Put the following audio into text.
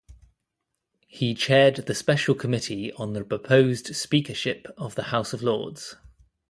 He chaired the special committee on the proposed Speakership of the House of Lords.